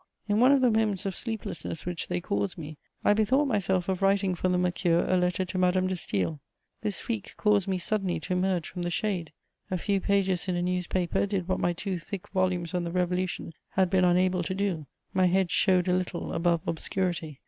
In one of the moments of sleeplessness which they caused me, I bethought myself of writing for the Mercure a letter to Madame de Staël. This freak caused me suddenly to emerge from the shade; a few pages in a newspaper did what my two thick volumes on the Revolution had been unable to do. My head showed a little above obscurity.